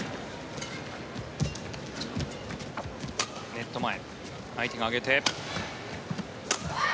ネット前相手が上げて。